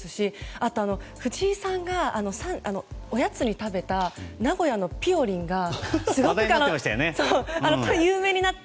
あと、藤井さんがおやつに食べた名古屋のぴよりんが有名になって。